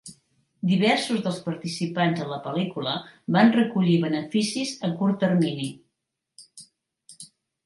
Diversos dels participants en la pel·lícula van recollir beneficis a curt termini.